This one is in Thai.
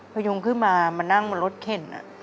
พยุงขึ้นมามานั่งบนรถเข็น